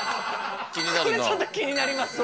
これちょっと気になりますね。